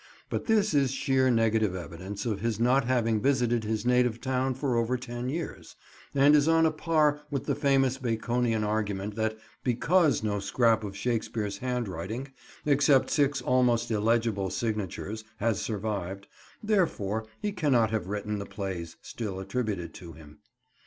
But this is sheer negative evidence of his not having visited his native town for over ten years, and is on a par with the famous Baconian argument that because no scrap of Shakespeare's handwriting, except six almost illegible signatures, has survived, therefore he cannot have written the plays still attributed to him.